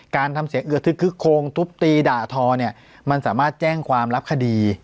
ทำเสียงเอือทึกคึกโค้งทุบตีด่าทอเนี่ยมันสามารถแจ้งความรับคดี